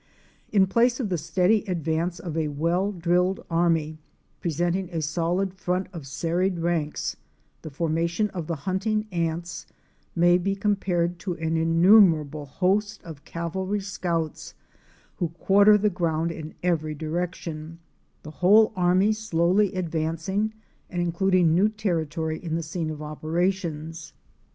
In place of the steady advance of a well drilled army, pre senting a solid front of serried ranks, the formation of the hunting ants may be compared to an innumerable host of cavalry scouts who quarter the ground in every direction, the whole army slowly advancing and including new terri tory in the scene of operations.